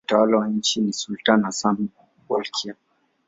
Mtawala wa nchi ni sultani Hassan al-Bolkiah.